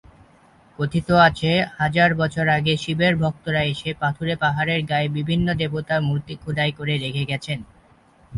কথিত আছে হাজার বছর আগে শিবের ভক্তরা এসে পাথুরে পাহাড়ের গায়ে বিভিন্ন দেবতার মূর্তি খোদাই করে রেখে গেছেন।